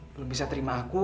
belum bisa terima aku